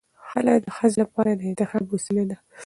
خلع د ښځې لپاره د انتخاب وسیله ده.